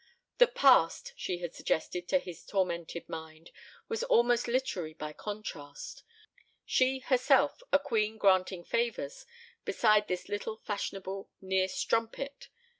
The "past" she had suggested to his tormented mind was almost literary by contrast. She, herself, a queen granting favors, beside this little fashionable near strumpet.